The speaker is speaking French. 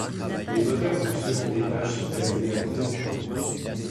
Les moteurs du second étage sont allumés en deux temps.